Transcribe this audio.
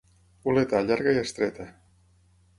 Oleta, llarga i estreta.